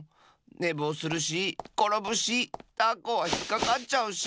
ねぼうするしころぶしたこはひっかかっちゃうし！